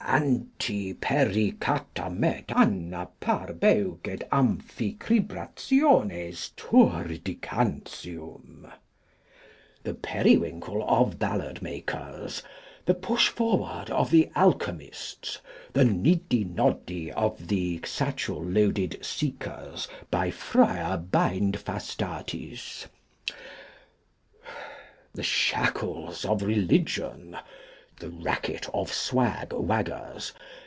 Antipericatametanaparbeugedamphicribrationes Toordicantium. The Periwinkle of Ballad makers. The Push forward of the Alchemists. The Niddy noddy of the Satchel loaded Seekers, by Friar Bindfastatis. The Shackles of Religion. The Racket of Swag waggers.